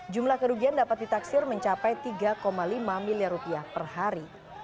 jumlah kerugian dapat ditaksir mencapai tiga lima miliar rupiah per hari